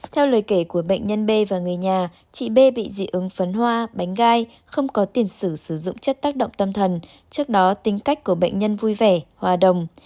theo lời kể của bệnh nhân b và người nhà chị b bị dị ứng phấn hoa bánh gai không có tiền sử sử dụng chất tác động tâm thần trước đó tính cách của bệnh nhân vui vẻ hòa đồng